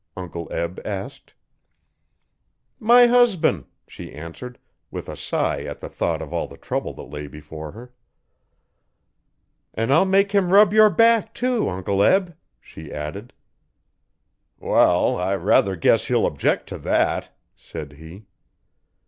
Uncle Eb asked. 'My husban',' she answered, with a sigh at the thought of all the trouble that lay before her. 'An' I'll make him rub your back, too, Uncle Eb,' she added. 'Wall, I rather guess he'll object to that,' said he.